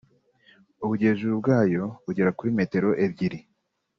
ubujyejuru bwayo bugera kuri metero ebyiri